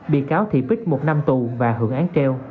bị cáo thị bích một năm tù và hưởng án treo